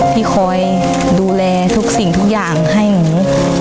ที่คอยดูแลทุกสิ่งทุกอย่างให้หนู